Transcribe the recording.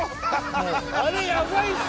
あれヤバいっしょ！